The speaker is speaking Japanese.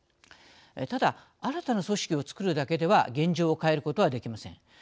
ただ新たな組織を作るだけでは現状を変えることはできません。